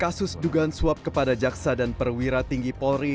agar berkata jujur dalam persidangan